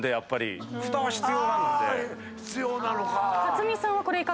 必要なのか。